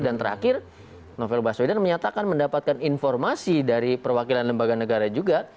dan terakhir novel baswedan menyatakan mendapatkan informasi dari perwakilan lembaga negara juga